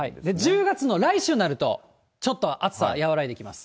１０月の最後になると、ちょっと暑さが和らいできます。